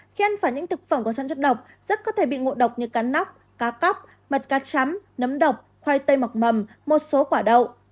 khi ăn phải những thực phẩm có săn chất độc rất có thể bị ngộ độc như cắn nóc cá cóc mật cá chấm nấm độc khoai tây mọc mầm một số quả đậu